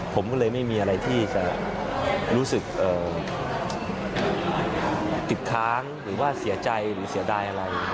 ผมก็เลยไม่มีอะไรที่จะรู้สึกติดค้างหรือว่าเสียใจหรือเสียดายอะไร